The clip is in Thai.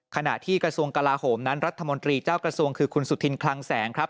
ขณะที่กระทรวงกลาโหมนั้นรัฐมนตรีเจ้ากระทรวงคือคุณสุธินคลังแสงครับ